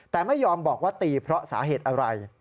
แต่ไม่ยอมบอกว่าตีเพราะสาเหตุอะไร